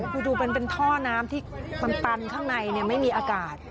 ดูผมก็เหมือนเป็นท่อน้ำที่มันตันข้างในไม่มีอากาศ